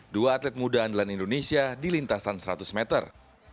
dua atlet muda andalan indonesia di lintasan seratus meter